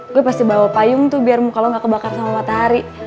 gue pasti bawa payung tuh biar kalau gak kebakar sama matahari